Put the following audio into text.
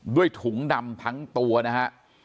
ด้วยถุงดำทั้งตัวนะฮะ